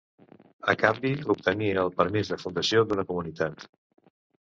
A canvi, obtenia el permís de fundació d'una comunitat.